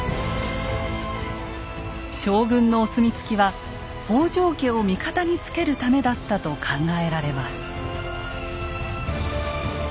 将軍のお墨付きは北条家を味方につけるためだったと考えられます。